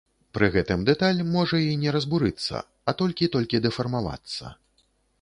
Пры гэтым дэталь можа і не разбурыцца, а толькі толькі дэфармавацца.